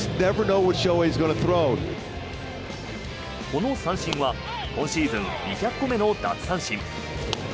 この三振は今シーズン２００個目の奪三振。